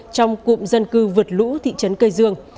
trong cụm dân cư vượt lũ thị trấn cây dương